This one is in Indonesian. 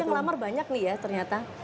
jadi yang melamar banyak nih ya ternyata